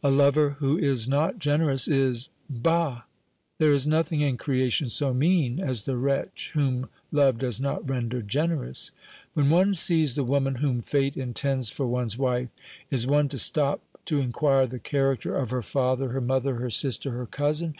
"A lover who is not generous is bah! there is nothing in creation so mean as the wretch whom love does not render generous. When one sees the woman whom Fate intends for one's wife, is one to stop to inquire the character of her father, her mother, her sister, her cousin?